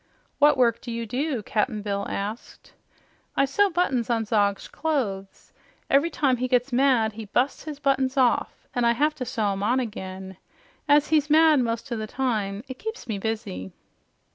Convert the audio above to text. "What work do you do?" Cap'n Bill asked. "I sew buttons on Zog's clothes. Every time he gets mad, he busts his buttons off, an' I have to sew 'em on again. As he's mad most o' the time, it keeps me busy."